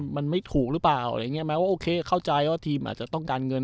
มันไม่ถูกหรือเปล่าแม้ว่าโอเคเข้าใจว่าทีมอาจจะต้องการเงิน